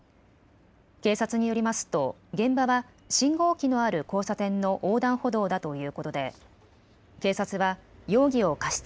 警察によりますと現場は信号機のある交差点の横断歩道だということで警察は容疑を過失